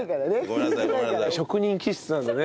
職人気質なんでね。